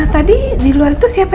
tadi di luar itu siapa